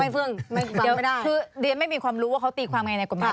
ไม่ฟึ่งไม่ฟังไม่ได้เดี๋ยวคือเรียนไม่มีความรู้ว่าเขาตีความไงในกฎหมาย